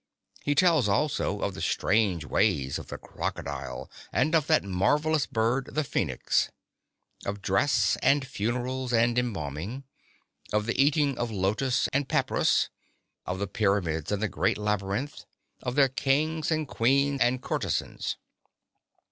He tells also of the strange ways of the crocodile and of that marvelous bird, the Phoenix; of dress and funerals and embalming; of the eating of lotos and papyrus; of the pyramids and the great labyrinth; of their kings and queens and courtesans.